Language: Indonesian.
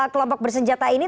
kelompok bersenjata ini